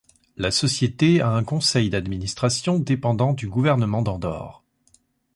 La société a un conseil d'administration dépendant du gouvernement d'Andorre.